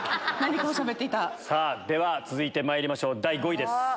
では続いてまいりましょう第５位です。